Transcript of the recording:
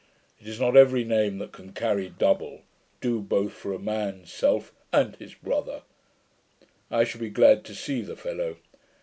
It is not every name that can carry double; do both for a man's self and his brother'. 'I should be glad to see the fellow.